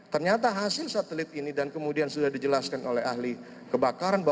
ternyata hasil satelit ini dan kemudian sudah dijelaskan oleh ahli kebakaran